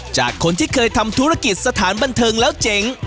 จากคนที่เคยทำธุรกิจสถานบันเทิงแล้วเจ๋ง